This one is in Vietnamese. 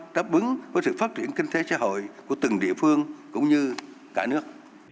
đáp ứng với sự phát triển kinh tế xã hội của từng địa phương cũng như cả nước